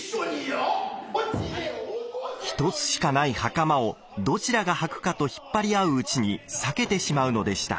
一つしかない袴をどちらがはくかと引っ張り合ううちに裂けてしまうのでした。